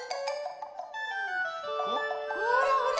ほらほら。